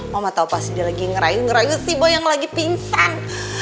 mama tau pasti dia lagi ngerayu ngerayu si boy yang lagi pingsan